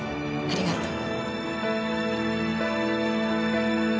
ありがとう。